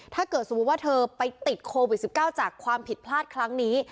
ถ้าเกิดสมมุติว่าเธอไปติดโควิด๑๙จากความผิดพลาดครั้งนี้